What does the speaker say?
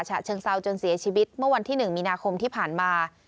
ฉะเชิงเซาจนเสียชีวิตเมื่อวันที่๑มีนาคมที่ผ่านมา